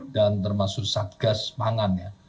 dan termasuk satgas mangannya